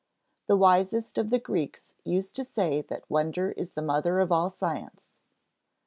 The wisest of the Greeks used to say that wonder is the mother of all science.